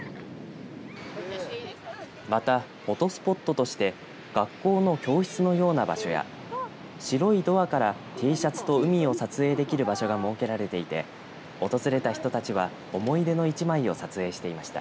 またフォトスポットとして学校の教室のような場所や白いドアからＴシャツと海を撮影できる場所が設けられていて訪れた人たちは、思い出の一枚を撮影していました。